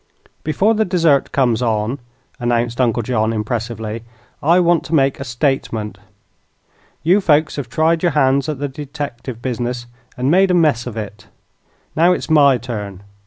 "Before the dessert comes on," announced Uncle John, impressively, "I want to make a statement. You folks have tried your hands at the detective business and made a mess of it. Now it's my turn.